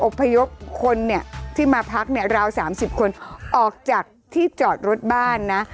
พยพคนเนี่ยที่มาพักเนี่ยราว๓๐คนออกจากที่จอดรถบ้านนะ